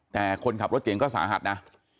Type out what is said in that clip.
แต่คนขับรถเก่งก็สาหัสนะ